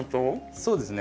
そうですね。